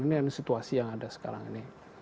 ini situasi yang ada sekarang ini